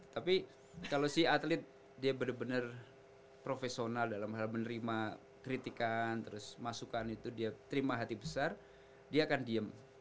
tapi kalau si atlet dia benar benar profesional dalam hal menerima kritikan terus masukan itu dia terima hati besar dia akan diem